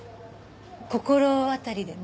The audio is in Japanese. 心当たりでも？